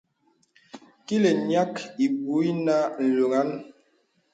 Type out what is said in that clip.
Kilə̀ ǹyàk ìbūū ìnə lɔnàŋ.